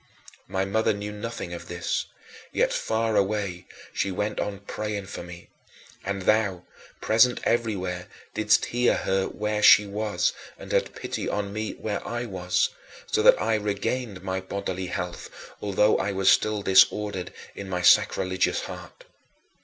My mother knew nothing of this; yet, far away, she went on praying for me. And thou, present everywhere, didst hear her where she was and had pity on me where I was, so that I regained my bodily health, although I was still disordered in my sacrilegious heart.